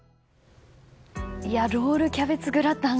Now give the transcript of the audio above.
ロールキャベツグラタン。